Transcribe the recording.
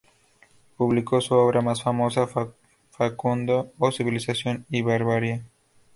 Publicó su obra más famosa, "Facundo o civilización y barbarie".